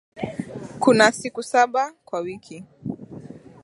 Kuna siku saba kwa wiki.